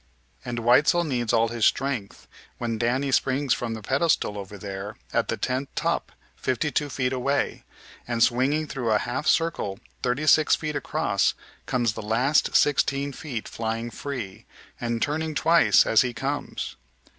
And Weitzel needs all his strength when Danny springs from the pedestal over there at the tent top fifty two feet away, and, swinging through a half circle thirty six feet across, comes the last sixteen feet flying free, and turning twice as he comes.